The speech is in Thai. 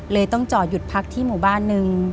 ต้องจอดหยุดพักที่หมู่บ้านหนึ่ง